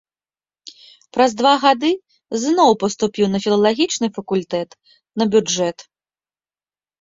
Праз два гады зноў паступіў на філалагічным факультэт, на бюджэт.